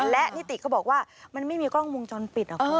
และนิติก็บอกว่ามันไม่มีกล้องวงจรปิดเหรอคุณ